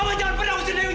mama jangan pernah usir dewi